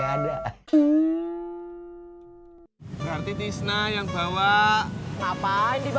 loh apa ini